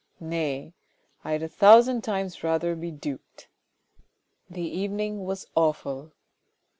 Nay ! I'd a thousand times rather be duped." The evening was awful.